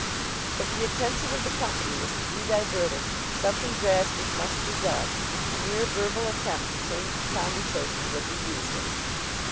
If the attention of the company was to be diverted, something drastic must be done. A mere verbal attempt to change the conversation would be useless.